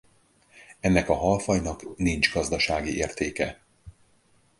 Ennek a halfajnak nincs gazdasági értéke.